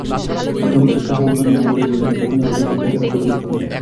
প্রাথমিক শিক্ষা সমাপনী তোমাদের জীবনের প্রথম পাবলিক পরীক্ষা হিসেবে এটি খুবই গুরুত্বপূর্ণ।